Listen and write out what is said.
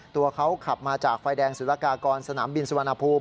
ตัวเขาขับมาจากไฟแดงสุรกากรสนามบินสุวรรณภูมิ